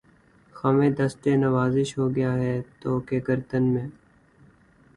خمِ دستِ نوازش ہو گیا ہے طوق گردن میں